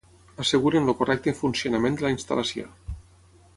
Asseguren el correcte funcionament de la instal·lació